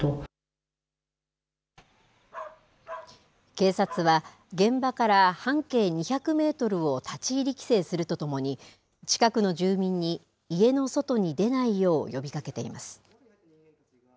警察は、現場から半径２００メートルを立ち入り規制するとともに、近くの住民に家の外に出ないよう呼びかけています。